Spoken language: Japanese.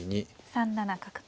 ３七角と。